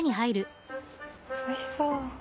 おいしそう！